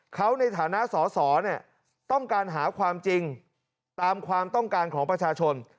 เขาในฐานะสอสอต้องการหาความจริงตามความต้องการของประชาชน